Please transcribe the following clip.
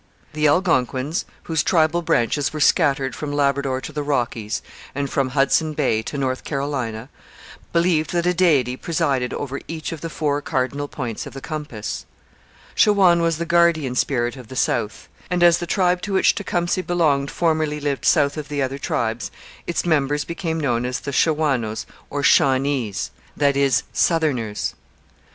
The Algonquins, whose tribal branches were scattered from Labrador to the Rockies and from Hudson Bay to North Carolina, believed that a deity presided over each of the four cardinal points of the compass. Shawan was the guardian spirit of the South; and, as the tribe to which Tecumseh belonged formerly lived south of the other tribes, its members became known as Shawanoes, or Shawnees that is, Southerners.